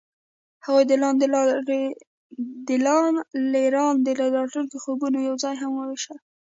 هغوی د لاره لاندې د راتلونکي خوبونه یوځای هم وویشل.